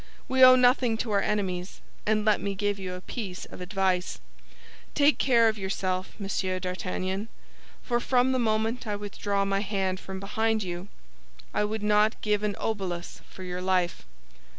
We owe nothing to our enemies; and let me give you a piece of advice; take care of yourself, Monsieur d'Artagnan, for from the moment I withdraw my hand from behind you, I would not give an obolus for your life."